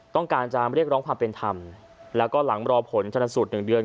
ต้องการจะเรียกร้องความเป็นธรรมแล้วก็หลังรอผลชนสูตรหนึ่งเดือน